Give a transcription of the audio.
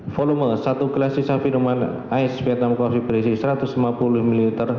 volume satu gelas sisa minuman ais vietnong kopi berisi kurang lebih satu ratus lima puluh ml